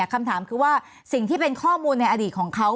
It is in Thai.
คำถามคือว่าสิ่งที่เป็นข้อมูลในอดีตของเขา